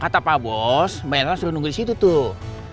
kata pak bos mba elsa suruh nunggu di situ tuh